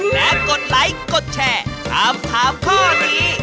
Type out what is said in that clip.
และกดไลค์กดแชร์ถามถามข้อนี้